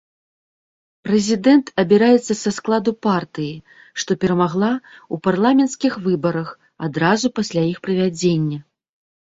Прэзідэнт абіраецца са складу партыі, што перамагла ў парламенцкіх выбарах адразу пасля іх правядзення.